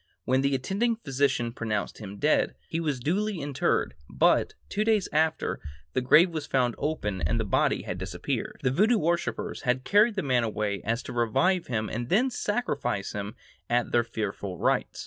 When the attending physician pronounced him dead, he was duly interred; but, two days after, the grave was found open and the body had disappeared. The Voodoo worshippers had carried the man away so as to revive him and then sacrifice him at their fearful rites.